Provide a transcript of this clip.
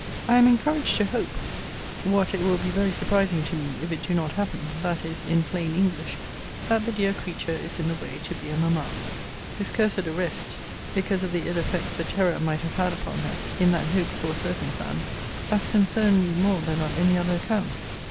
] I am encouraged to hope, what it will be very surprising to me if it do not happen: that is, in plain English, that the dear creature is in the way to be a mamma. This cursed arrest, because of the ill effects the terror might have had upon her, in that hoped for circumstance, has concerned me more than on any other account.